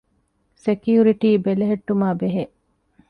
ސެކިއުރިޓީ ބެލެހެއްޓުމާ ބެހޭ